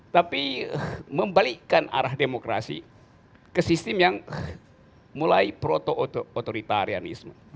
tapi membalikkan arah demokrasi ke sistem yang mulai proto otoritarianisme